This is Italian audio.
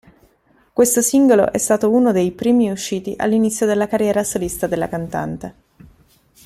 Questo singolo è stato uno dei primi usciti all'inizio della carriera solista della cantante.